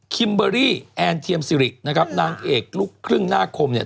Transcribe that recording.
คิมเบอรี่แอนเทียมซิรินะครับนางเอกลูกครึ่งหน้าคมเนี่ย